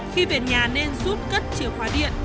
khi về nhà nên giúp cất chìa khóa điện